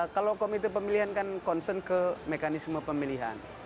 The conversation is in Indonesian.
kalau komite pemilihan kan concern ke mekanisme pemilihan